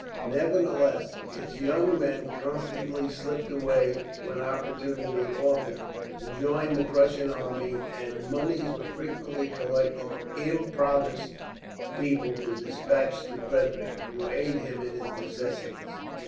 Nevertheless its young men constantly slipped away, when opportunity offered, to join the Prussian army; and moneys were frequently collected by the impoverished people to despatch to Frederick, to aid him in his necessities.